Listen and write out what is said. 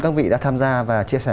các vị đã tham gia và chia sẻ